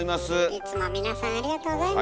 いつも皆さんありがとうございます。